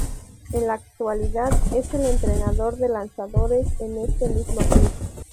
En la actualidad es el entrenador de lanzadores en este mismo club.